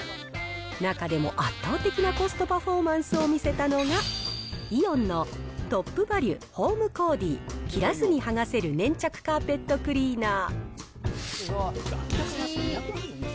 中でも圧倒的なコストパフォーマンスを見せたのが、イオンのトップバリュホームコーディ切らずにはがせる粘着カーペットクリーナー。